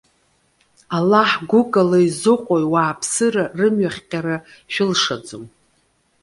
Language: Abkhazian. Аллаҳ гәыкала изыҟоу иуааԥсыра рымҩахҟьара шәылшаӡом.